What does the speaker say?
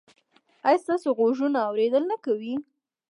ایا ستاسو غوږونه اوریدل نه کوي؟